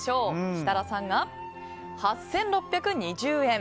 設楽さんが８６２０円。